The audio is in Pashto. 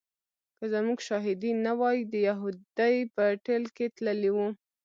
که زموږ شاهدي نه وای د یهودي په ټېل کې تللی و.